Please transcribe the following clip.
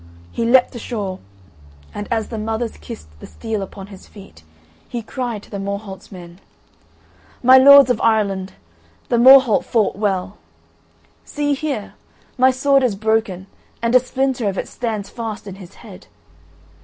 He leapt ashore, and as the mothers kissed the steel upon his feet he cried to the Morholt's men: "My lords of Ireland, the Morholt fought well. See here, my sword is broken and a splinter of it stands fast in his head.